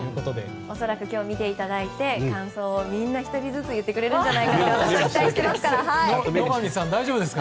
恐らく今日見ていただいて感想をみんな１人ずつ言ってくれるんじゃないかと期待してます。